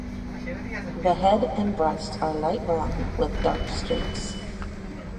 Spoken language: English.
The head and breast are light brown with dark streaks.